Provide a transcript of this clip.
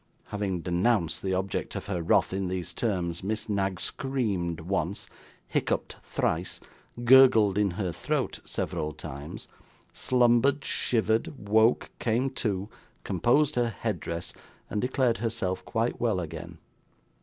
Having denounced the object of her wrath, in these terms, Miss Knag screamed once, hiccuped thrice, gurgled in her throat several times, slumbered, shivered, woke, came to, composed her head dress, and declared herself quite well again.